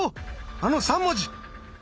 あの３文字！